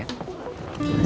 sampai jumpa lagi